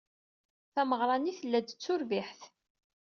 Tameɣra-nni tella-d d turbiḥt.